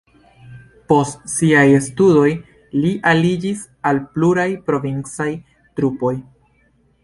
Post siaj studoj li aliĝis al pluraj provincaj trupoj.